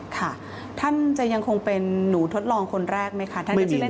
ค่ะท่านจะยังคงเป็นหนูทดลองคนแรกไหมคะท่าน